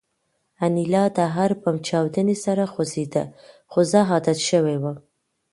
انیلا د هر بم چاودنې سره خوځېده خو زه عادت شوی وم